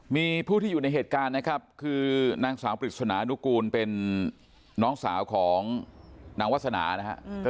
มีผู้ที่อยู่ในเหตุการณ์นะครับคือนางสาวปริศนานุกูลเป็นน้องสาวของนางวาสนานะฮะ